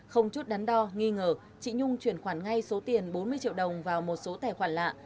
không chút đắn đo nghi ngờ chị nhung chuyển khoản ngay số tiền bốn mươi triệu đồng vào một số tài khoản lạ